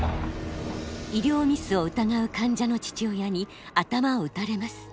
医療ミスを疑う患者の父親に頭を撃たれます。